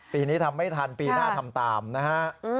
ปีนี้ทำไม่ทันปีหน้าทำตามนะฮะ